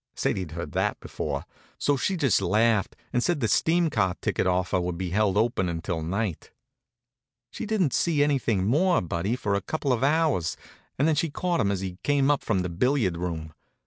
Sadie'd heard that before; so she just laughed and said the steam car ticket offer would be held open until night. She didn't see anything more of Buddy for a couple of hours, and then she caught him as he came up from the billiard room.